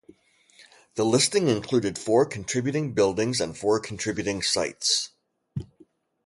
The listing included four contributing buildings and four contributing sites.